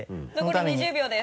残り２０秒です。